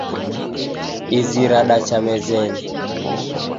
Izi radacha mezenyi